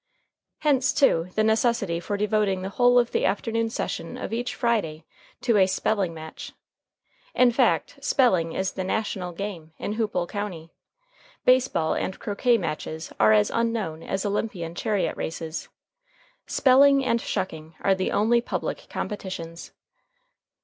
Hence, too, the necessity for devoting the whole of the afternoon session of each Friday to a "spelling match." In fact, spelling is the "national game" in Hoopole County. Baseball and croquet matches are as unknown as Olympian chariot races. Spelling and shucking are the only public competitions.